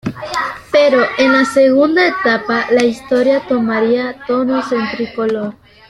Pero en la segunda etapa, la historia tomaría tonos en tricolor.